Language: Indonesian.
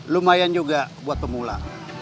lumayan juga buat pemula